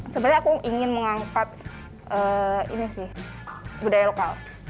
sebenernya aku ingin mengangkat budaya lokal